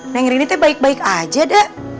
neng rini teh baik baik aja deh